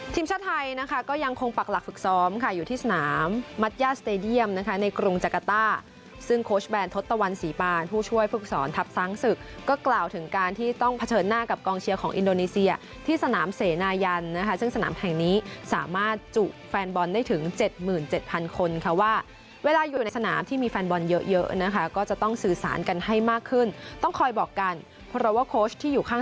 ทีมชาวไทยนะคะก็ยังคงปรักหลักฝึกซ้อมค่ะอยู่ที่สนามมัชยาสเตดียมนะคะในกรุงจักรต้าซึ่งโคชแบรนด์ทศตวรรษีปานผู้ช่วยฝึกสอนทัพทร้างศึกก็กล่าวถึงการที่ต้องเผชิญหน้ากับกองเชียร์ของอินโดนีเซียที่สนามเสนายันนะคะซึ่งสนามแห่งนี้สามารถจุแฟนบอลได้ถึง๗๗๐๐๐คนค่ะว่าเวลาอย